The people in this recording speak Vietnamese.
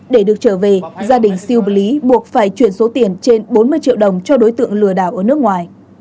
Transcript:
để được trở về gia đình siu bli buộc phải chuyển số tiền trên bốn mươi triệu đồng cho đối tượng lừa đảo ở nước ngoài